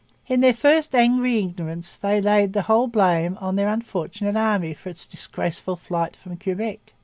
In their first angry ignorance they laid the whole blame on their unfortunate army for its 'disgraceful flight' from Quebec.